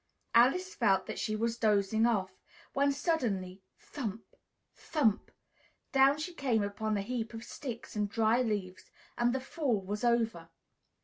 Alice felt that she was dozing off, when suddenly, thump! thump! down she came upon a heap of sticks and dry leaves, and the fall was over.